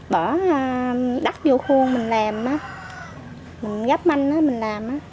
bỏ đắp vô khuôn mình làm á mình gắp manh á mình làm á